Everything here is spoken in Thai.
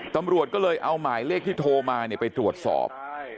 ตำรวจก็เลยเอาหมายเลขที่โทรมาไปตรวจสอบ